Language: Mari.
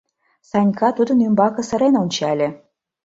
— Санька тудын ӱмбаке сырен ончале.